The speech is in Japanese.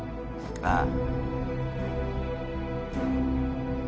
ああ。